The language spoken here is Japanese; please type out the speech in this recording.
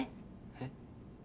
えっ？